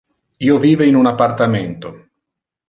Io vive in un appartamento.